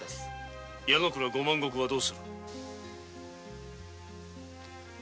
矢之倉五万石はどうする？